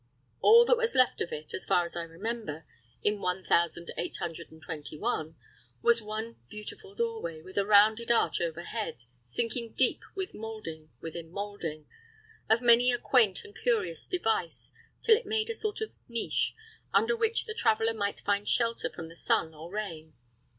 All that was left of it, as far as I remember, in one thousand eight hundred and twenty one, was one beautiful doorway, with a rounded arch overhead, sinking deep with molding within molding, of many a quaint and curious device, till it made a sort of niche, under which the traveler might find shelter from the sun or rain.